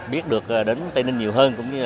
biết được đến tây ninh nhiều hơn